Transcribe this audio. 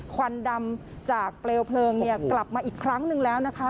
ควันดำจากเปลวเพลิงกลับมาอีกครั้งหนึ่งแล้วนะคะ